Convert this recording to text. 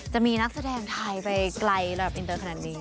จะมีนักแสดงไทยไปไกลระดับอินเตอร์ขนาดนี้